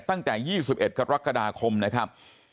ตั้งแต่๒๑กรกฎาคมนะครับ